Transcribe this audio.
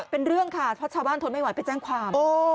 เป็นเรื่องค่ะเพราะชาวบ้านทนไม่ไหวไปแจ้งความ